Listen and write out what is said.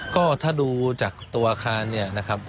ก็ถ้าดูจากตัวอาคารเนี่ยนะครับ